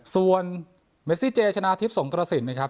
ส่วนเมซิเจชนะทิพย์สงกระสินนะครับ